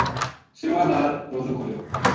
سیؤاں نال روجو کھولیو